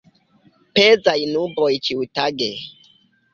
Pezaj nuboj ĉiutage.